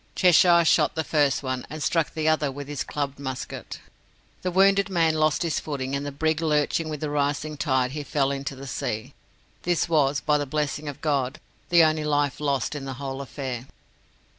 Cheshire shot the first one, and struck the other with his clubbed musket. The wounded man lost his footing, and the brig lurching with the rising tide, he fell into the sea. This was by the blessing of God the only life lost in the whole affair.